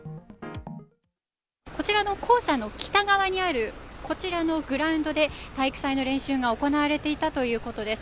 こちらの校舎の北側にある、こちらのグラウンドで、体育祭の練習が行われていたということです。